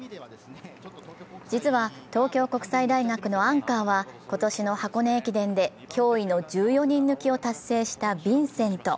実は東京国際大学のアンカーは今年の箱根駅伝で驚異の１４人抜きを達成したヴィンセント。